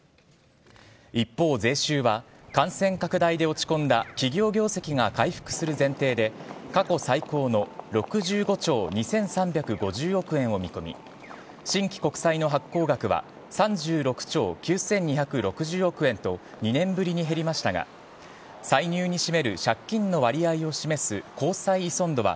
一方、税収は感染拡大で落ち込んだ企業業績が回復する前提で過去最高の６５兆２３５０億円を見込み新規国債の発行額は３６兆９２６０億円と２年ぶりに減りましたが歳入に占める借金の割合を示す公債依存度は